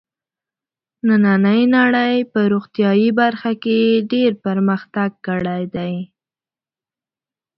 نننۍ نړۍ په روغتیايي برخه کې ډېر پرمختګ کړی دی.